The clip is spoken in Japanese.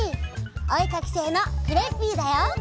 おえかきせいのクレッピーだよ！